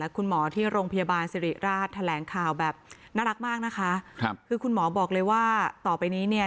คุณหมอที่โรงพยาบาลสิริราชแถลงข่าวแบบน่ารักมากนะคะครับคือคุณหมอบอกเลยว่าต่อไปนี้เนี่ย